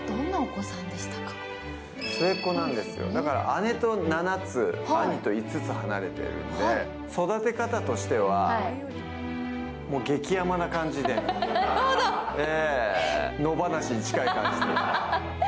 姉と７つ、兄と５つ離れてるんで育て方としては、激甘な感じで野放しに近い感じで。